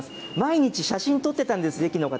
毎日写真撮ってたんです、駅の方。